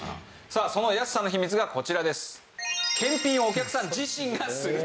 さあその安さの秘密がこちらです。